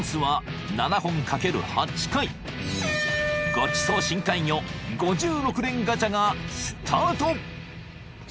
［ごちそう深海魚５６連ガチャがスタート］